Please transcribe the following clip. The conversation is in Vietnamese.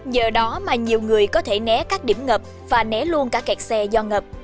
do đó mà nhiều người có thể né các điểm ngập và né luôn cả kẹt xe do ngập